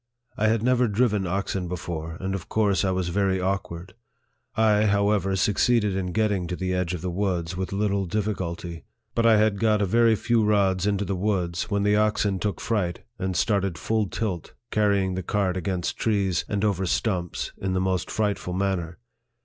I had never driven oxen before, and of course I was very awkward. I, how ever, succeeded in getting to the edge of the woods with little difficulty ; but I had got a very few rods into the woods, when the oxen took fright, and started full tilt, carrying the cart against trees, and over stumps, in the most frightful manner.